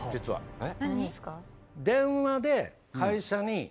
えっ！